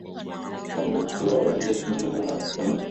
Wakiruhusiwa waingie nchini humo mara kwa mara